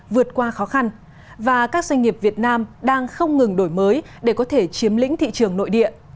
vượt qua khó khăn và các doanh nghiệp việt nam đang không ngừng đổi mới để có thể chiếm lĩnh thị trường nội địa